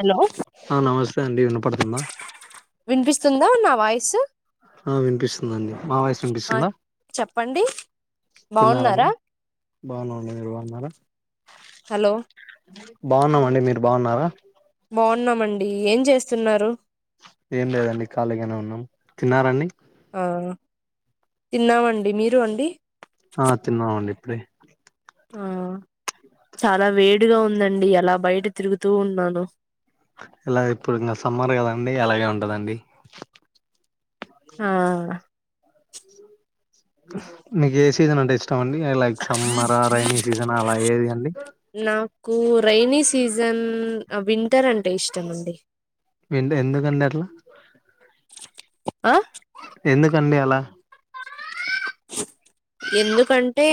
Hello ఆ నమస్తే అండి విన్నపడుతుందా వినిపిస్తుందా నా వాయిసు ఆ వినిపిస్తుందండి మా వాయిస్ ఆ వినిపిస్తుందా చెప్పండి బాగున్నారా తిన్నారండి బాగున్న అండి మీరు బాగున్నారా హలో బాగున్నామండి మీరు బాగున్నారా బాగున్నామండి ఏం చేస్తున్నారు ఏం లేదండి ఖాళీగానే ఉన్నాం తిన్నారండి ఆ తిన్నామండి మీరు అండి ఆ తిన్నామండి ఇప్పుడే ఆ చాలా వేడిగా ఉందండి ఎలా బయట తిరుగుతూ ఉన్నాను ఇలా ఇప్పుడు ఇంకా సమ్మర్ కదండి అలాగే ఉంటదండి ఆ నేకు ఏ సీజన్ అంటే ఇష్ట ఇష్టం అండి ఐ లైక్ సమ్మర్ రైైనీ సీజనా అలా ఏది అండి రైనీ సీజన్ వింటర్ అంటే ఇష్టం అండి ఎందు ఎందుకండి అట్లా ఆ ఎందుకండి అలా ఎందుకంటే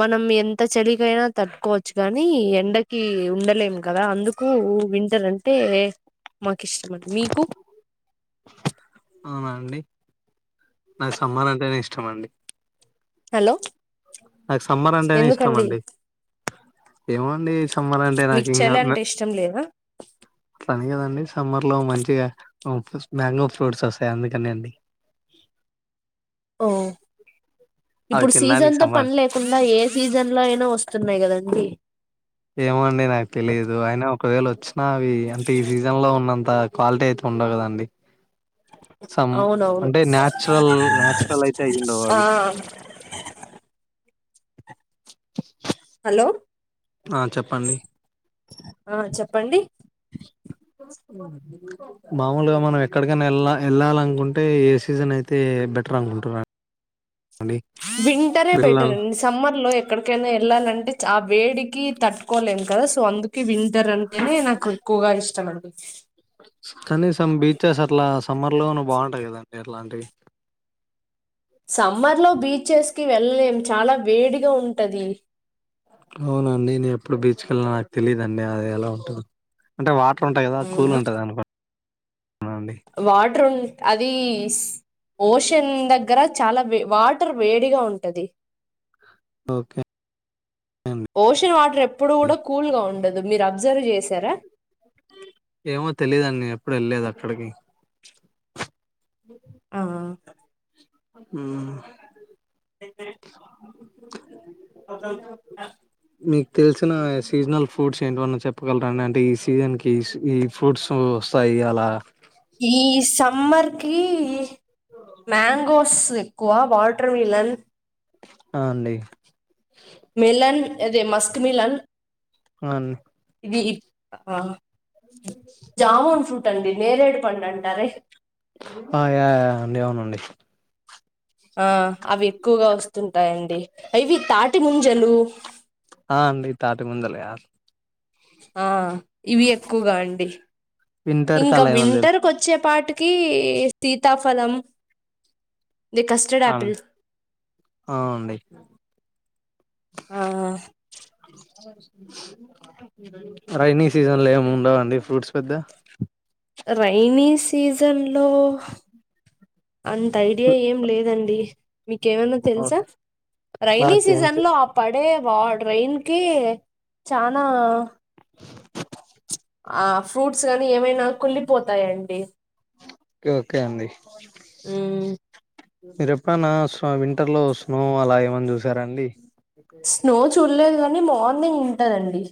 మనం ఎంత చలికైనా తట్టుకోవచ్చు గానీ ఎండకి ఉండలేము కదా అందుకు వింటర్ అంటే మాకిష్టం మీకు అవునాండి నాకు సమ్మర్ అంటేనే ఇష్టం అండి హలో నాకు సమ్మర్ అంటేనే ఇష్టం ఎందుకండి అండి ఏమో అండి సమ్మరంటే నాకు మీకు ఇంగా చలి అంటే ఇష్టం లేదా అట్లా లేదండి సమ్మర్ లో మంచిగా ఉ ఫస్ట్ మ్యాంగోస్ ఫ్రూట్స్ వస్తాయి అందుకని అండి ఓ అవి ఇప్పుడు తినడానికి సీజన్ తో సమ్మర్ పని లేకుండా ఏ సీజన్ లో అయినా వస్తుంది ఉన్నాయ్ కదండీ ఏమోండి నాకు తెలీదు అయిన ఒకవేళ వచ్చ వచ్చిన అవి అంటే ఈ సీజన్ లో ఉన్నంత క్వాలిటీ అయితే ఉండవు కదండి సమ్ అవునవును అంటే న్యాచురల్ న్యాచురల్ అయితే అయుండవు ఆ అవి హలో ఆ చెప్పండి ఆ చెప్పండి మామూలుగా మనం ఎక్కడికైనా వెళ్ళ వెళ్ళాలనుకుంటే ఏ సీజన్ అయితే బెటర్ అనుకుంటున్నార్ వింటరే బెటర్ అండి సమ్మర్ లో ఎక్కడికైనా వెళ్ళాలంటే చ ఆ వేడి కి తట్టుకోలేం కదా సో అందుకే వింటర్ అంటేనే నాకు ఎక్కువగా ఇష్టం అండి కనీసం బీచెస్ అట్లా సమ్మర్ లోనూ బాగుంటాయి కదండి అట్లాంటియి సమ్మర్ లో బీచెస్కి వెళ్ళలేం చాలా వేడిగా ఉంటది అవునండి నేను ఎప్పుడు బీచ్కెళ్ళిన నాకు తెలీదుండి అది ఎలా ఉంటదు అంటే వా అట్ంటాయి కా కూ అవునా ఉంటంది అను వాటర్ ఉ అది ఓషన్ దగ్గర చాలా వే వాటర్ వేడిగా ఉంటది ఓకే అండి ఓషన్ వాటర్ ఎప్పుడు కూడా కూల్ గా ఉండదు అ మీరు అబ్జర్వ్ చేసారా ఏమో తెలిదండి ఎప్పుడు వెళ్ళలేదు అక్కడికి ఆ మ్ మీకు తెలిసిన సీజనల్ ఫ్రూట్స్ ఏంటివన్నా చెప్పగలరాండి అంటే ఈ సీజన్ క ఈ ఫ్రూట్స్ వస్తాయి అలా అమర్కి మ్యాంగోస్ ఎక్కువ వాటర్ మిలన్ అ అండి మిలన్ ఏదే మస్క్ మిలాన్ అవును ఈ ఆ జామున్ ఫ్రూట్ అండి నేరడు పండ్లంటరు ఆ యా అండి విన్ననండి ఆ అవి ఎక్కువగా వస్తుంటాయండి అవి తాటి మంజలు ఆ అండి తాటి మందలా ఆ ఇవి ఎక్కువగా అండి వింటర్ ఇంకా కలా ఏమన్నా తెలు వింటర్క్ వచ్చే పాటికి కీ సీతాఫలం ఇది కస్టర్డ్ అవును ఆపిల్ అవునండి ఆ రైనీ సీజన్ ల ఏమి ఉండవండి ఫ్రూట్స్ పెద్ద రైనీ సీజన్ లో అంత ఐడియా ఏం లేదండి మీకేమన్నా తెలుసా రైైనీ నాకేం సీజన్ లో ఓకే ఆ పడే వా డ్రైన్ కి చానా ఆ ఫ్రూట్స్ సర్ ఎమైనా కుల్లిపోతాయండి ఓకే అండి ఊమ్ మీరు ఎప్పుడన్నా స్నో వింటర్ లో స్నో అలా ఏమన్నా జూశారాఅండీ స్నో చూలేదు గ నె మార్నింగ్ ఉంటనండి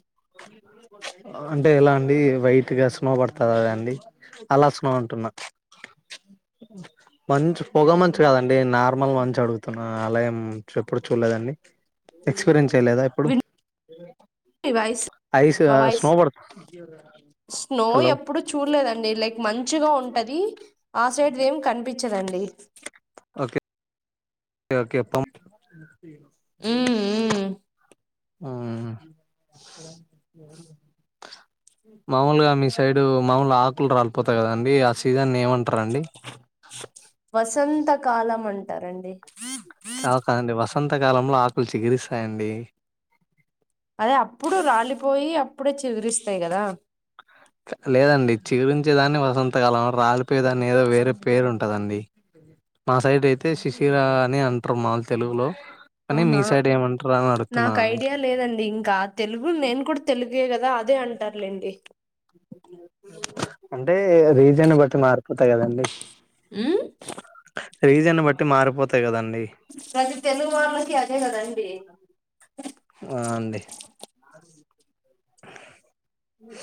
అంటే ఎలా అండి వైట్గా స్నో వడతాదా అండీ అలా స్నో అంటున్నా మంచు పొగ మంచు గాదండి నార్మల్ మంచు అడుగుతున్నా, అలా ఏం ఎప్పుడు చూలేదండి ఎక్స్పీరియన్స్. తేలేదా ఇప్పుడు ఐస్ మా వాయిస్ స్నో హలో ఎప్పుడు చూలేదండి లైక్ మంత్ చుగా ఉంటది ఆ సైడ్ ఏం కనిపించదండి ఓకే ఓకే పం బ మ్మ్, మ్మ్. ఉమ్ మామూలుగా మీ సైడ్ మామూలు ఆకులు రాలిపోతాయి కదండి ఆ సీజన్ ని ఏమ వసంత కాలం అంటారండి కాదు కాదండి వసంతకాలంలో ఆకులు చిగిరిస్తాయండి అదే అప్పుడు రాలిపోయి అప్పుడే చిగురిస్తయి కదా లేదండి చిగురించేదాన్ని వసంతకాలం రాలిపోయేదాన్ని ఏదో వేరే పేరు ఉంటదండి మా సైడ్ అయితే శిశిరా అని అంటారు మాకు తెలుగులో కానీ మీ అవునా సైడ్ ఏమంటారు అని నాకు అడుగుతున్నానండి ఐడియా లేదండి ఇంకా తెలుగు నేను కూడా తెలుగే కదా అదే అంటారులేండి అంటే రీజన్ ని బట్టి మారిపోతాయి కదండి ఉమ్ రీజన్ ని బట్టి మారిపోతయి కదండి ప్రతి తెలుగోళ్ళకి అదే కదండి ఆ అండి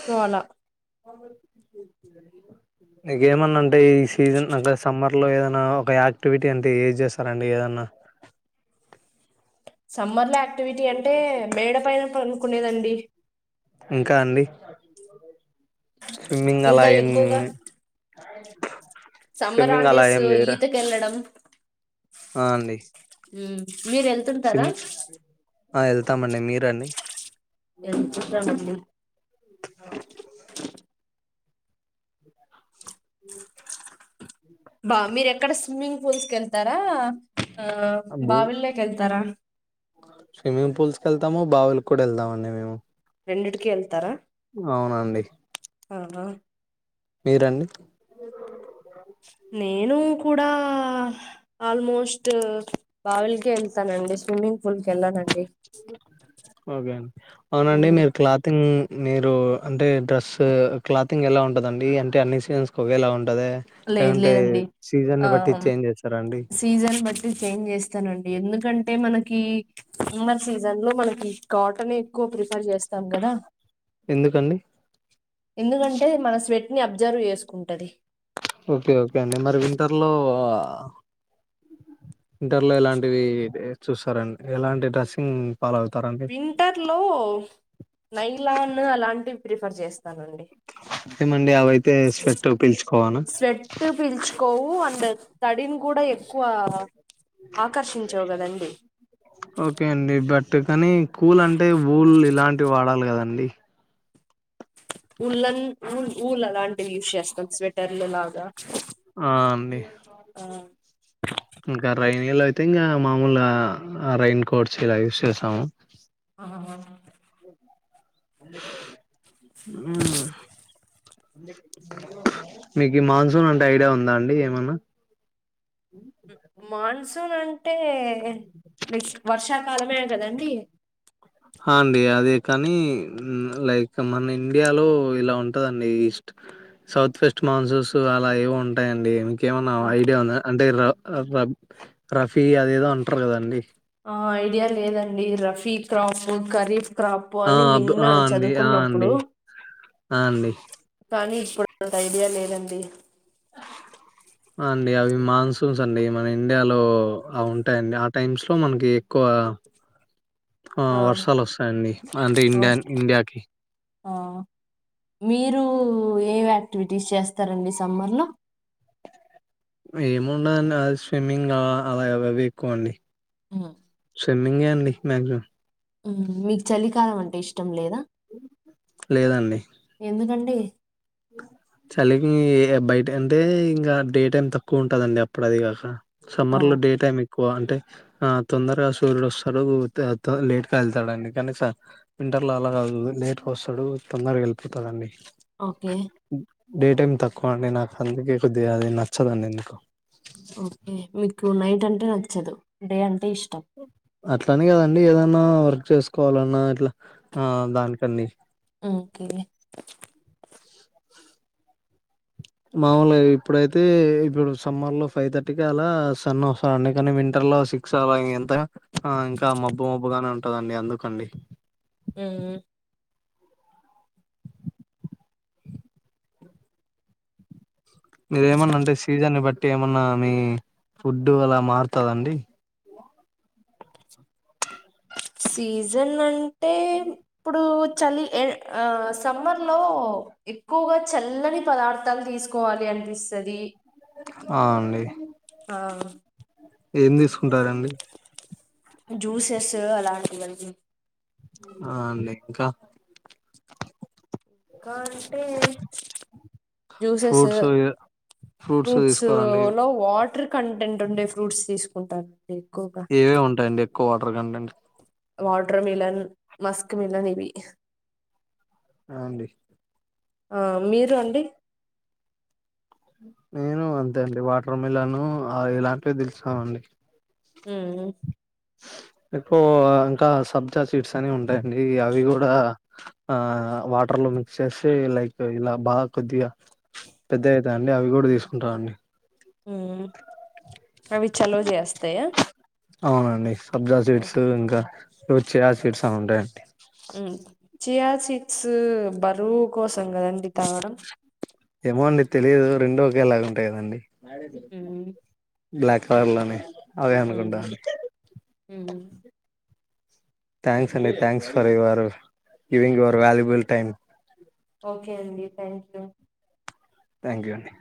తోల నీకేమన్నా అంటే ఈ సీజన్ అంటె సమ్మర్ ఇటిల్లో ఏదనా ఒక యాక్టివిటీ అంటే ఏజ్ చేస్తారండి ఏదన్నా సమ్మర్లా యాక్టివిటి అంటే మేడ పైన కునేదండి ఇంకా అండి స్విమ్మింగ్ అలా ఇంకా ఏం ఎక్కువగా అ సమ్మర్ ఆల్డేసు ఈత కెళ్ళడం. ఆ అండి ఊ సిమ్ ఆ ఎళ్తామండి మీరండి వెళ్తుంటామండి ఊ బా మీరెక్కడ స్విమ్మింగ్ ఫూల్స్ కెళ్తరా ఆ అబ్బో బావిలోకి ఎళ్తారా స్విమ్మింగ్ పూల్స్ కెళ్తాము బావులికి కూడా ఎళ్తామండి మేము రెండింటికి ఎళ్తారా అవునండి అవునా మీరండి నేను కూడా ఆల్మోస్ట్ బావిలకె ఎళ్తానండి స్విమ్మింగ్ పూల్ కి వెళ్ళానండి అవునండి మీరు క్లాతింగ్ మీరు అంటే డ్రెస్ క్లాతింగ్ ఎలా ఉంటదండి అంటే అన్ని సీజన్స్ కి ఒకేలా వుం లేదు లేదండి ఆ బట్టి చేంజ్ చేస్తారా అండి సీజన్ బట్టి చేంజ్ జేస్తనండి ఎందుకంటే మనక్ కి సమ్మర్ సీజన్ లో మనకి కాటన్ ఎక్కువ ప్రిఫర్ జేస్తాం గదా ఎందుకండి ఎందుకంటే మన స్వెట్ ని అబ్జర్వ్ ఏసుకుంటది ఓకే ఓకే అండి మరి వింటర్లో ఆ వింటర్లో ఎలాంటివి చుస్తరండి ఎలాంటి డ్రెస్సింగ్. ఫాలో అవుతారండి వింటర్ లో నైలాన్ అలాంటివ్ ప్రిఫర్ చేస్త ఏమండి అవైతే స్వెట్ పీల్చుకోవానా స్వెట్ పీల్చుకోవు అండ్ దెన్ తడిను కూడా ఎక్కువ ఆకర్షించవు కదండి టు కాని కూల్ అంటే ఊల్ ఇలాంటివి వాడాలి కదండి వులెన్ వూల్ వూల్ అలాంటివి యూస్ చేస్తాం స్వెటర్లు లాగా ఆ అండి ఆ ఇంకా రైన్ లో అయితే ఇంకా మామూలు రైయిన్ కోట్స్ ఇలా యూస్ చేస్తాము ఆహా హుమ్ మీకు ఈ మాన్సూన్ అంటే ఐడియా ఉందా అండి ఏమన్నా మాన్సూన్ అంటే విక్స్డ్ వర్షాకాలమే కదండి అ అండి అదే కానీ లైక్ మన ఇండియాలో ఇలా ఉంటదండి ఈస్ట్ సౌత్ వెస్ట్ మాన్సూన్స్ అలా ఏవో ఉంటాయండి కేమన్నా ఐడియా ఉంద అంటే ర ఆ రక్ రఫీ అదేదో అంటారు కదండి ఆ ఐడియా లేదండి రఫ్ ఫీ క్రఫున్ కరిఫ్ క్రాప్ ఆ అని అబ్ ఆ విన్నాను అండి ఆ అండి చదువుకున్నప్పుడు ఆ అండి కానీ ఇప్పుడు అంత ఐడియా లేదండి అండి అవి మాన్సూన్స్ అండి మన ఇండియాలో అవి ఉంటాయండి ఆ టైమ్స్ లో మనకి ఎక్కువ ఆ వర్షాలు వస్తాయండి అంటే ఆ ఇండియాన్ ఇండియాకి ఆ మీరు ఏ యాక్టివిటీస్ చేస్తారండి సమ్మర్లో ఏముండదండి ఆ స్విమ్మింగ్ అ అలా య అవ్ అవే ఎక్కువ అండి ఉ స్విమ్మింగే అండి మాక్సిమం ఉ మీకు చలికాలం అం ఇష్టం లేదా లేదండి ఎందుకండి చలికి బయట అంటే ఇంకా డే టైం తక్కువ ఉంటది అండి అప్పుడు అది కాక ఆ సమ్మర్ లో డే టైమ్ ఎక్ ఎక్కువ అంటే ఆ తొందరగా సూర్యుడు వస్తాడు, త త లేటుగా వెళ్తాడండి, కనీక వింటర్ లో అలా కాదు లేట్గా వస్తాడు తొందరగా వెళ్ళిపోతాదండి. ఓకే డే టైమ్ తక్కువ అండి నాకు అందుకే కొద్దిగా అది నచ్చదండి ఎందుకో ఓకే మీకు నైట్ అంటే నచ్చదు డే అం అట్లానే కదండి ఏదన్నా వర్క్ చేసుకోవాలన్నా ఇట్లా ఆ దానికండి ఒకే మాములుగా ఇప్పుడైతే, ఇప్పుడు సమ్మర్ లో ఫైవ్ థర్టీకి ఆలా, సన్న ఆఫ్ అండి కానీ వింటర్ లో సిక్స్ అలా ఎంత ఆ ఇంకా మబ్బు మబ్బుగానే ఉం ఉంటదండి అందుకండి ఉ మీరేమన్నా అంటే సీజన్ని బట్టి ఏమన్నా మీ ఫుడ్డు అలా మారుతదండి సీజన్ అంటే ఇప్పుడు చలి ఎ ఆ సమ్మర్ లో ఎక్కువగా చల్లని పదార్థాలు తీసుకోవాలి అనిపిస్తది అ అండి ఆ ఏం తీసుకుంటారండి జ్యూసెస్ అలాంటివండి ఆ అండి ఇంకా ఇంకా అంటే జూసేస్ ఫ్రూట్స్ ఫ్రూట్స్ లో వాటర్ కంటెంట్ ఉండే ఫ్రూట్స్ తీసుకుంటాను ఏవేవి ఉంటాయండి quarter content water melon Musk melon ఇవి ఆ అండి ఆ మీరు అండి నేను అంతే అండి వాటర్ మిలను అ ఇలాంటివి తెలుసామండి మ్ ఎక్కువ ఇంకా సబ్జా సీడ్స్ అని ఉంటాయి ఉంటాయి అండి అవి కూడా ఆ వాటర్ లో మిక్స్ చేసి, లైక్ ఇలా బాగా కొద్దిగా పెద్దగా అవుతుయి అండి అవి కూడా తీసుకుంటానండి. మ్ అవి చలువ చేస్తాయా అవునండి సబ్జా సీడ్స్ ఇంకా చియా సీడ్స్ అని ఉంటాయండి మ్ చియా సీడ్స్ బరువు కోసం కదండి తారు ఏమో అండి తెలియదు రెండు ఒకేలా ఉంటాయి కదండి వాడేది ఉమ్ బ్లాక్ కలర్ లోనే అదే ఉమ్ అనుకుంట అండి ఉమ్ థాంక్స్ అండి thanks for your giving your valuable time okay అండి థ్యాంక్ యూ థ్యాంక్ యూ అండి